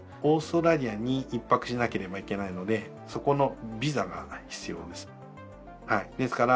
オーストラリアに１泊しなければいけないのでそこのビザが必要です。